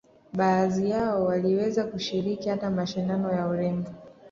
Baadhi yao waliweza kushiriki hata mashindano ya urembo